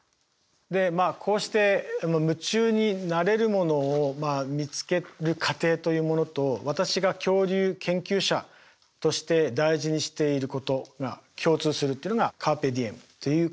でまあこうして夢中になれるものを見つける過程というものと私が恐竜研究者として大事にしていることが共通するというのが「カルペディエム」という言葉です。